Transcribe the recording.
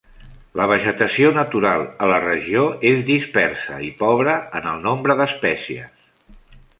La vegetació natural a la regió és dispersa i pobre en el nombre d'espècies.